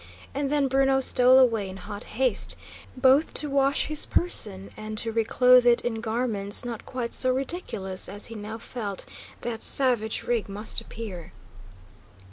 And then Bruno stole away in hot haste, both to wash his person and to reclothe it in garments not quite so ridiculous as he now felt that savage rig must appear.